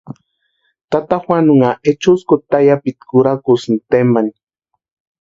Tata Juanunha ehuskuta tayapi kurhakusïnti tempani.